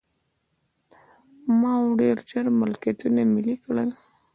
ماوو ډېر ژر ملکیتونه ملي کړل.